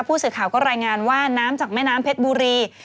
ผู้สื่อข่าวก็รายงานว่าน้ำจากแม่น้ำเพชรบุรี